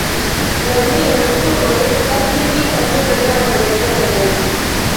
Laŭ li, la naturo estas ligita kun agado de homoj.